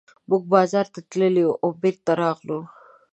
موږ بازار ته تللي وو او بېرته راغلو.